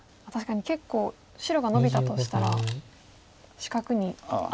確かに結構白がノビたとしたら四角に。